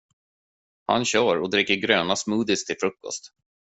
Han kör och dricker gröna smoothies till frukost.